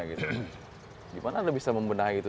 jadi gimana anda bisa membenahi itu